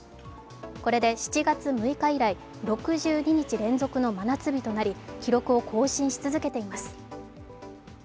これで７月６日以来、６２日連続の真夏日となり記録を更新し続けています。